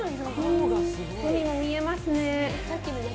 海も見えますね。